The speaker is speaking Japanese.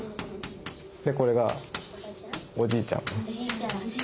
これがおじいちゃん。